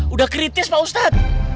udah kritis pak ustadz